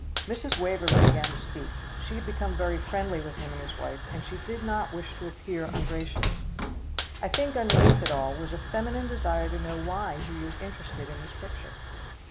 Mrs. Waverlee began to speak. She had become very friendly with him and his wife, and she did not wish to appear ungracious. Then I think underneath it all, was a feminine desire to know why he was interested in this picture.